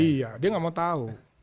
iya dia gak mau tau